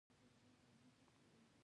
پر څلور طرفه هر ځای چې بندر دی